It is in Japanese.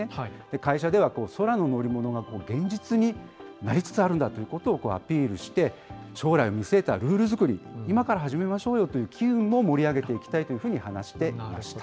会社では空の乗り物が現実になりつつあるんだということをアピールして、将来を見据えたルール作りを今から始めましょうよという機運も盛り上げていきたいというふうに話していました。